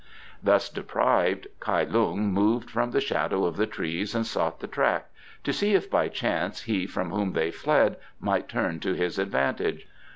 Thus deprived, Kai Lung moved from the shadow of the trees and sought the track, to see if by chance he from whom they fled might turn to his advantage.